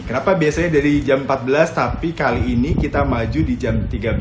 kenapa biasanya dari jam empat belas tapi kali ini kita maju di jam tiga belas